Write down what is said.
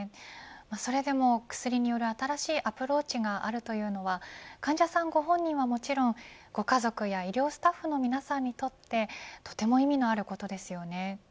それでも薬による新しいアプローチがあるというのは患者さんご本人はもちろんご家族や医療スタッフの皆さんにとってとても意味のあることですよね。